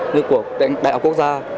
như của đại học quốc gia